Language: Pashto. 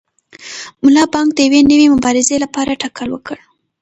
ملا بانګ د یوې نوې مبارزې لپاره تکل وکړ.